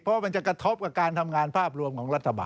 เพราะมันจะกระทบกับการทำงานภาพรวมของรัฐบาล